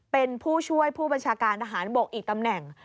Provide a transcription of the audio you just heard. เป็นผู้ช่วยผู้บัญชาการทหารบกอีกตำแหน่ง